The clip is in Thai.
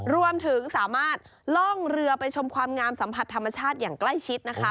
รวมถึงสามารถล่องเรือไปชมความงามสัมผัสธรรมชาติอย่างใกล้ชิดนะคะ